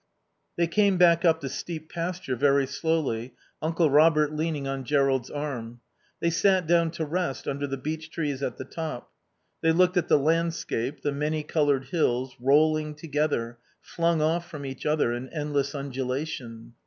They came back up the steep pasture, very slowly, Uncle Robert leaning on Jerrold's arm. They sat down to rest under the beech trees at the top. They looked at the landscape, the many coloured hills, rolling together, flung off from each other, an endless undulation.